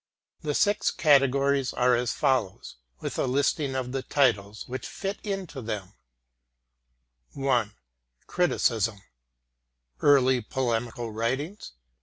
The six categories are as follows, with a listing of the titles which fit into them: 1) Criticism: Early Polemical Writings [c.